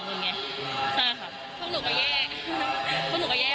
เขาเป็นแบบนี้บ่อยไหม